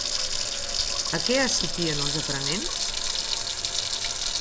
A què assitien els aprenents?